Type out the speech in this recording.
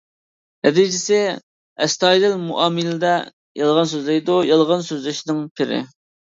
نەتىجىسى: ئەستايىدىل مۇئامىلىدە يالغان سۆزلەيدۇ، يالغان سۆزلەشنىڭ پىرى.